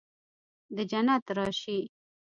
د جنت راشي